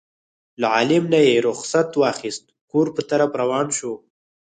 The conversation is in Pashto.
له عالم نه یې رخصت واخیست کور په طرف روان شو.